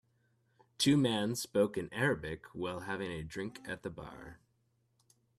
Two men spoke in Arabic while having a drink at the bar.